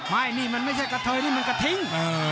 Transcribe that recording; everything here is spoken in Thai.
ไม่นี่มันไม่ใช่กระเทยนี่มันกระทิ้ง